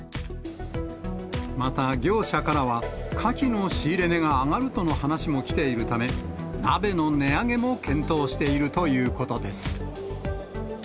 また業者からは、カキの仕入れ値が上がるとの話も来ているため、鍋の値上げも検討しているということです。